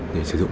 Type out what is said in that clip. để sử dụng